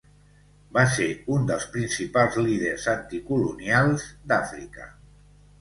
Va ser un dels principals líders anticolonials d'Àfrica.